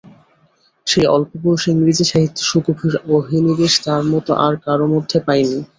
সেই অল্প বয়সে ইংরেজি সাহিত্যে সুগভীর অভিনিবেশ তাঁর মতো আর কারো মধ্যে পাই নি।